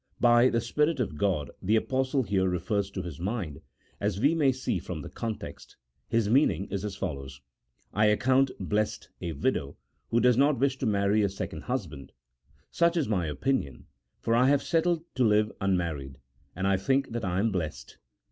By the Spirit of God the Apostle here refers to his mind, as we may see from the context : his meaning is as follows :" I account blessed a widow who does not wish to marry a second husband ; such is my opinion, for I have settled to live unmarried, and I think that I am blessed."